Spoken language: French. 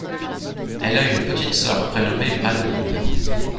Elle a une petite sœur prénommée Madeline.